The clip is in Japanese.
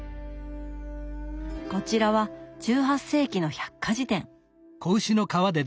こちらは１８世紀の百科事典。